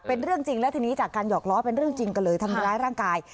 เป็นเรื่องจริงแล้วทีนี้จากการหอกล้อเป็นเรื่องจริงกันเลยทำร้ายร่างกาย